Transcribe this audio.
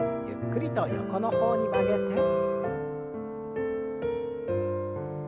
ゆっくりと横の方に曲げて。